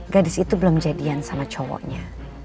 gadis itu belum jadian sama cowoknya